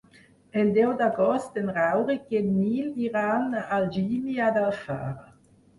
El deu d'agost en Rauric i en Nil iran a Algímia d'Alfara.